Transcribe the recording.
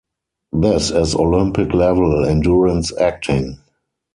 This is Olympic-level, endurance acting.